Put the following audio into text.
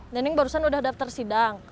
nening barusan udah daftar sidang